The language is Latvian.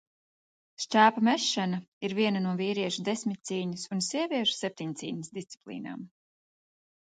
Šķēpa mešana ir viena no vīriešu desmitcīņas un sieviešu septiņcīņas disciplīnām.